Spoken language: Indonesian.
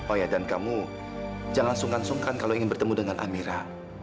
oh ya dan kamu jangan sungkan sungkan kalau ingin bertemu dengan amira